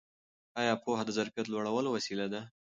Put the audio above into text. ایا پوهه د ظرفیت لوړولو وسیله ده؟